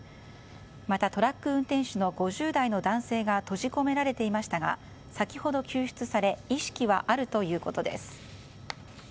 また、トラック運転手の５０代の男性が閉じ込められていましたが先ほど、救出され意識はあるということです。